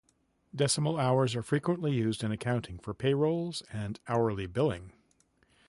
Decimal hours are frequently used in accounting for payrolls and hourly billing.